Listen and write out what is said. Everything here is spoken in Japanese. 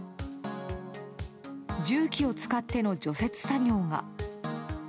重機を使っての除雪作業が。